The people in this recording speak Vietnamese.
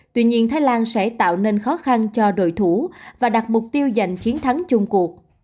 tuy nhiên thái lan sẽ tạo nên khó khăn cho đội thủ và đặt mục tiêu giành chiến thắng chung cuộc